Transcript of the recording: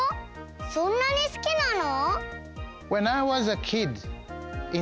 そんなにすきなの？